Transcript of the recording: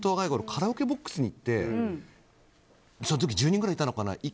カラオケボックスに行ってその時１０人くらいいたのかな。